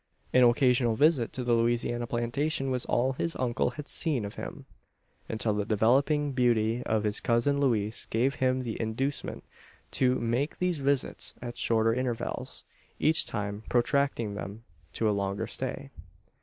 An occasional visit to the Louisiana plantation was all his uncle had seen of him; until the developing beauty of his cousin Louise gave him the inducement to make these visits at shorter intervals each time protracting them to a longer stay.